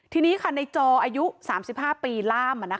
ทีนี้ค่ะในจออายุ๓๕ปีล่าม